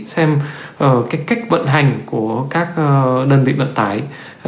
xem cái cách vận hành của các đơn vị vận tải